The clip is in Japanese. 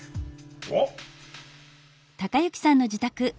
おっ。